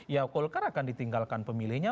ya golkar akan ditinggalkan pemilihnya